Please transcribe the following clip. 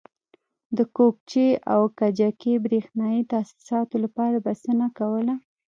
د کوکچې او کجکي برېښنایي تاسیساتو لپاره بسنه کوله.